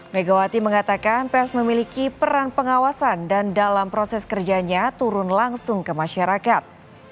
megawati mengatakan pers memiliki peran pengawasan dan dalam proses kerjanya turun langsung ke masyarakat